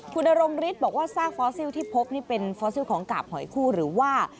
คุณนรงฤทธิ์บอกว่าซากฟอสซิลที่พบนี่เป็นฟอสซิลของกาบหอยคู่หรือว่า